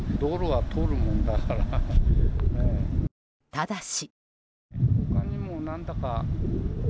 ただし。